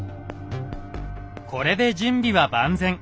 これで準備は万全。